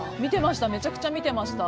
見てました。